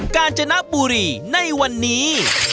กาญจนบุรีในวันนี้